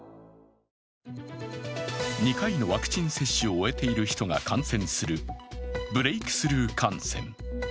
２回のワクチン接種を終えている人が感染するブレイクスルー感染。